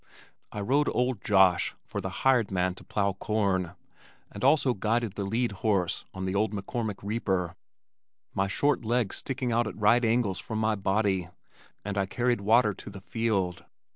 I rode old Josh for the hired man to plow corn, and also guided the lead horse on the old McCormick reaper, my short legs sticking out at right angles from my body, and I carried water to the field.